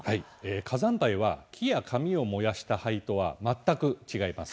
火山灰は木や紙を燃やした灰とは全く違います。